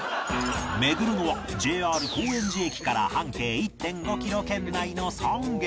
巡るのは ＪＲ 高円寺駅から半径 １．５ キロ圏内の３軒